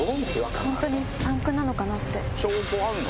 ・本当にパンクなのかなって・・証拠あんの？